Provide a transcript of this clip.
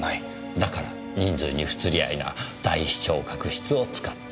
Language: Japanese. だから人数に不釣り合いな大視聴覚室を使った。